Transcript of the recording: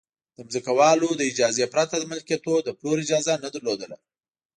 د ځمکوالو له اجازې پرته د ملکیتونو د پلور اجازه نه لرله